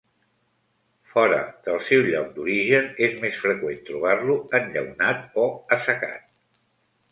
Fora del seu lloc d'origen és més freqüent trobar-lo enllaunat o assecat.